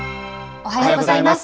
おはようございます。